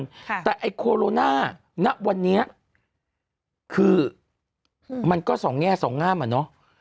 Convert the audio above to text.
ค่ะแต่ไอ้โคโรนาณวันนี้คือมันก็สองแง่สองงามอ่ะเนอะ